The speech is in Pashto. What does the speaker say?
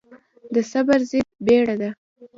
د صبر ضد بيړه ده.